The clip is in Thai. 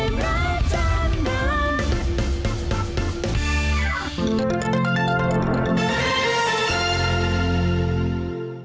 ไปไหม